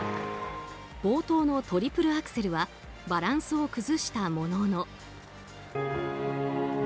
冒頭のトリプルアクセルはバランスを崩したものの。